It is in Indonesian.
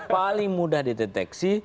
paling mudah dideteksi